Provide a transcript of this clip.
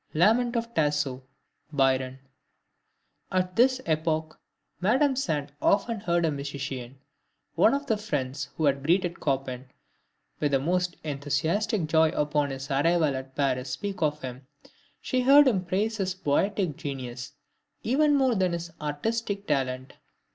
LAMENT OF TASSO. BYRON. At this epoch, Madame Sand often heard a musician, one of the friends who had greeted Chopin with the most enthusiastic joy upon his arrival at Paris, speak of him. She heard him praise his poetic genius even more than his artistic talent.